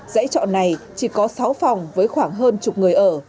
dãy trọ này chỉ có sáu phòng với khoảng hơn chục người ở